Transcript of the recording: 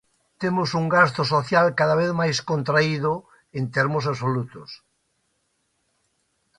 Temos un gasto social cada vez máis contraído, en termos absolutos.